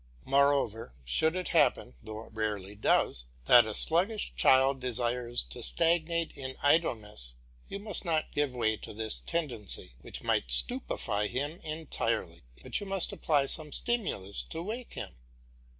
Moreover, should it happen, though it rarely does, that a sluggish child desires to stagnate in idleness, you must not give way to this tendency, which might stupefy him entirely, but you must apply some stimulus to wake him.